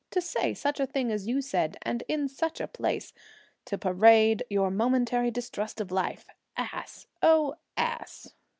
To say such a thing as you said, and in such a place! To parade your momentary distrust of life! Ass oh, ass!'